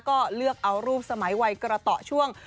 ก็เลือกเอารูปสมัยวัยกระต่อช่วง